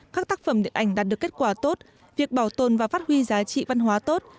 các tác phẩm điện ảnh đạt được kết quả tốt việc bảo tồn và phát huy giá trị văn hóa tốt